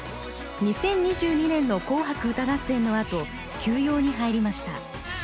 ２０２２年の「紅白歌合戦」のあと休養に入りました。